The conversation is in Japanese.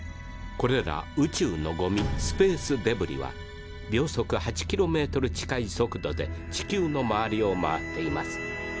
これら宇宙のゴミスペースデブリは秒速８キロメートル近い速度で地球の周りを回っています。